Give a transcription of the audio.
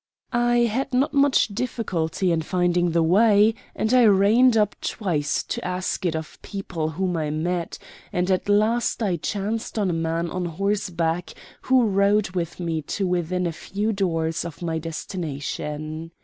I had not much difficulty in finding the way, and I reined up twice to ask it of people whom I met; and at last I chanced on a man on horseback, who rode with me to within a few doors of my destination.